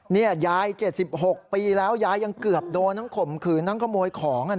เนี่ยยาย๗๖ปีแล้วยายยังเกือบโดนต้องข่มขืนน้องขโมยของอ่ะนะ